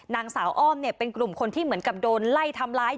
นางสาวอ้อมเป็นกลุ่มคนที่เหมือนกับโดนไล่ทำร้าย